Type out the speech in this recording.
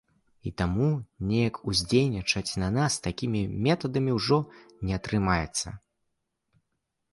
І таму неяк уздзейнічаць на нас такімі метадамі ўжо не атрымаецца.